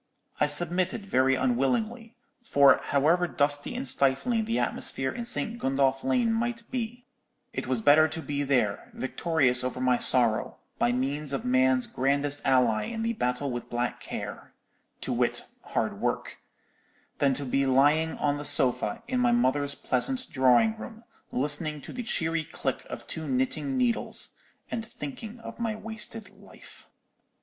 I submitted, very unwillingly; for however dusty and stifling the atmosphere in St. Gundolph Lane might be, it was better to be there, victorious over my sorrow, by means of man's grandest ally in the battle with black care—to wit, hard work—than to be lying on the sofa in my mother's pleasant drawing room, listening to the cheery click of two knitting needles, and thinking of my wasted life.